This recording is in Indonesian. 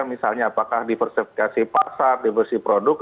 misalnya apakah diversifikasi pasar diversifikasi produk